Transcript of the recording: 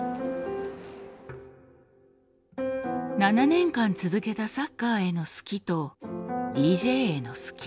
７年間続けたサッカーへの好きとＤＪへの好き。